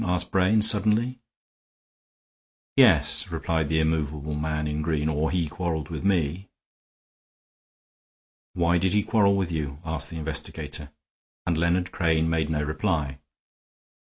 asked Brain, suddenly. "Yes," replied the immovable man in green. "Or he quarreled with me." "Why did he quarrel with you?" asked the investigator; and Leonard Crane made no reply.